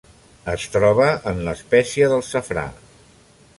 Es troba en l'espècia del safrà.